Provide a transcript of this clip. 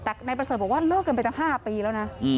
แต่นายประเสริฐบอกว่าเลิกกันไปตั้ง๕ปีแล้วนะ